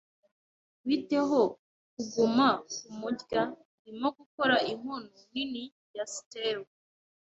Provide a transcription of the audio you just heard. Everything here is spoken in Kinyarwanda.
Bite ho kuguma kumurya? Ndimo gukora inkono nini ya stew.